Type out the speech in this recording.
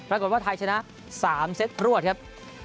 รับรวมว่าไทยชนะ๓เซตรวดครับ